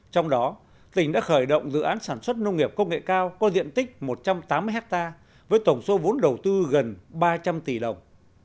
trong đó tỉnh đã khởi động dự án sản xuất nông nghiệp công nghệ cao có diện tích một trăm tám mươi hectare với tổng số vốn đầu tư gần ba trăm linh tỷ đồng